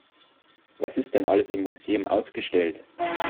Was ist denn alles im Museum ausgestellt?